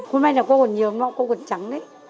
hôm nay là cô còn nhiều cô còn trắng đấy